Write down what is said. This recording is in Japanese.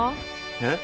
えっ！？